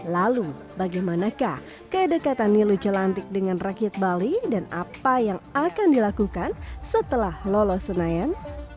lalu bagaimanakah kedekatan nilu jelantik dengan rakyat bali dan apa yang akan dilakukan setelah lolos senayan